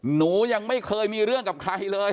หนูยังไม่เคยมีเรื่องกับใครเลย